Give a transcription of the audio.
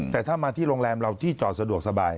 แต่ถ้ามาที่โรงแรมเราที่จอดสะดวกสบาย